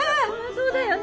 そうだよね。